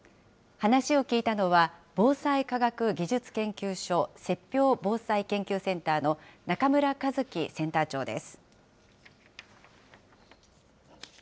話を聞いたのは、防災科学技術研究所雪氷防災研究センターの中村一樹センター長です。